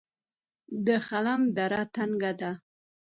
د خلم دره تنګه ده